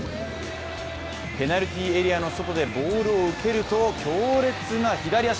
ペナルティーエリアの外でボールを受けると強烈な左足。